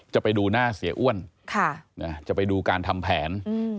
จะไปดูหน้าเสียอ้วนจะไปดูการทำแผน